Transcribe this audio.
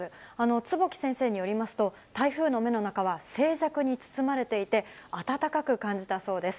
坪木先生によりますと、台風の目の中は静寂に包まれていて、暖かく感じたそうです。